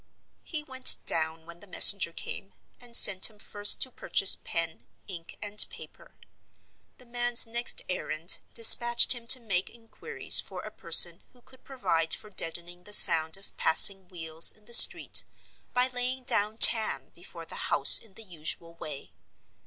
He went down when the messenger came, and sent him first to purchase pen, ink, and paper. The man's next errand dispatched him to make inquiries for a person who could provide for deadening the sound of passing wheels in the street by laying down tan before the house in the usual way.